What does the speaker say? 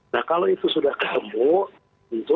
nah kalau itu sudah kamu